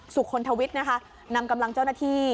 สุขลทวิทย์นำกำลังเจ้าหน้าที่